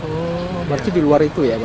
berarti di luar itu ya